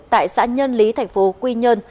tại xã nhân lý tp hcm